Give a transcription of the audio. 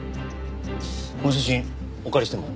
この写真お借りしても？